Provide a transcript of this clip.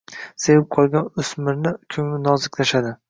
Sevib qolgan o'zmirni ko‘ngli noziklashadi.